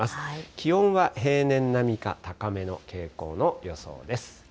気温は平年並みか高めの傾向の予想です。